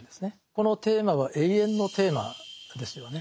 このテーマは永遠のテーマですよね。